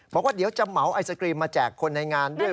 บอกว่าเดี๋ยวจะเหมาไอศกรีมมาแจกคนในงานด้วย